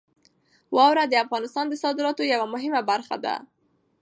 واوره د افغانستان د صادراتو یوه مهمه برخه ده.